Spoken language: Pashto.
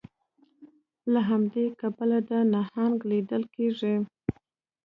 له همدې کبله دا نهنګ لیدل کیږي